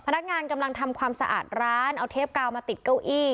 กำลังทำความสะอาดร้านเอาเทปกาวมาติดเก้าอี้